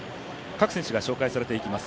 各選手が紹介されていきます。